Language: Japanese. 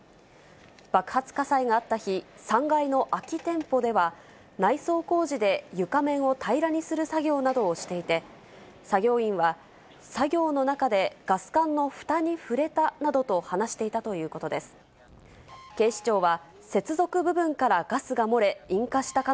爆発火災があった日、３階の空き店舗では、内装工事で床面を平らにする作業などをしていて、作業員は作業の中でガス管のふたに触れたなどと話していたという全国の皆さん、こんばんは。